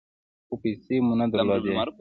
خو پیسې مو نه درلودې .